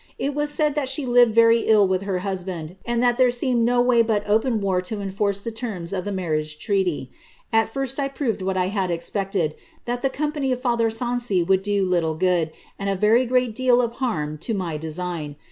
It was said that she lived very ill with her hus ^nd, and that there seemed no way but open war to enforce the terms of the marriage treaty. Ai first I proved what I had expected, that the ^'ompany of father Sancy would do little good, and a very great deal of harm, to my design.